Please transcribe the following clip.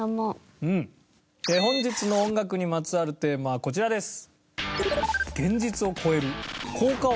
本日の音楽にまつわるテーマはこちらです。